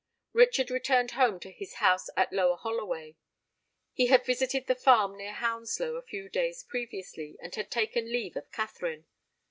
Richard returned home to his house at Lower Holloway. He had visited the farm near Hounslow a few days previously, and had taken leave of Katherine.